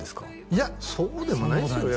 いやそうでもないですよ